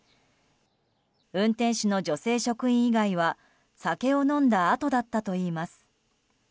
運転手の女性職員以外は酒を飲んだあとだったといいます。